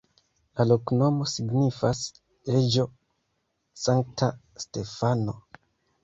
La loknomo signifas: reĝo-sankta-Stefano.